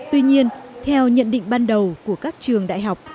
tuy nhiên theo nhận định ban đầu của các trường đại học